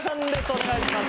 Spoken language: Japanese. お願いします。